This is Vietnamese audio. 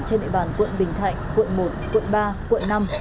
trên địa bàn quận bình thạnh quận một quận ba quận năm